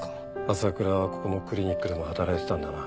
朝倉はここのクリニックでも働いてたんだな。